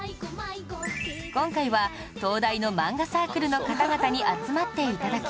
今回は東大の漫画サークルの方々に集まって頂き